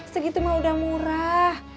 segitu mah udah murah